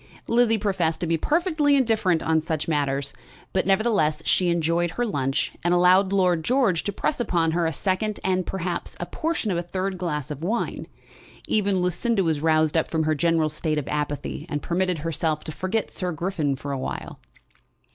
Lizzie professed to be perfectly indifferent on such matters; but nevertheless she enjoyed her lunch, and allowed Lord George to press upon her a second, and perhaps a portion of a third glass of wine. Even Lucinda was roused up from her general state of apathy, and permitted herself to forget Sir Griffin for a while.